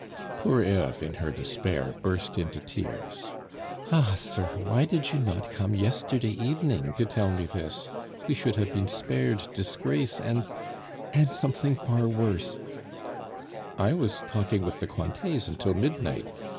Poor Eve in her despair burst into tears. "Ah, sir! why did you not come yesterday evening to tell me this? We should have been spared disgrace and and something far worse " "I was talking with the Cointets until midnight.